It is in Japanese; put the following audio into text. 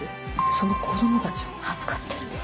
その子供たちを預かってる。